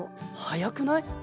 早くない！？